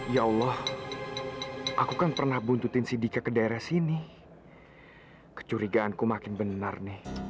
ya allah aku kan pernah buntutin si dika ke daerah sini kecurigaanku makin benar nih